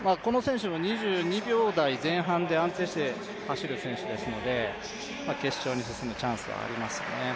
この選手も２２秒台前半で安定して決勝に進むチャンスはありますね。